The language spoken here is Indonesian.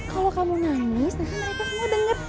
kalau kamu nangis tapi mereka semua denger